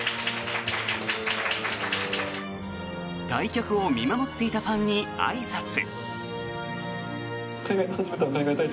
対局を見守っていたファンにあいさつ。